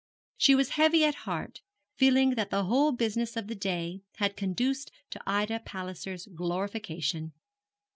She was heavy at heart, feeling that the whole business of the day had conduced to Ida Palliser's glorification.